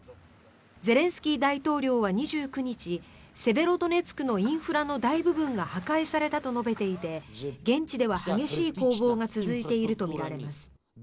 ゼレンスキー大統領は２９日セベロドネツクのインフラの大部分が破壊されたと述べていて現地では激しい攻防が続いているとみられます。